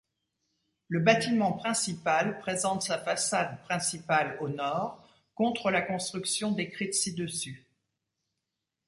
Le bâtiment principal présente sa façade principale au nord, contre la construction décrite ci-dessus.